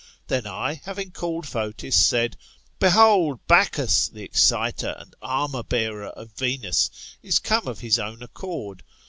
Then I, having called Fotis, said, Behold, Bacchus, the excite^ and armour bearer of Venus^ is come of his own accord.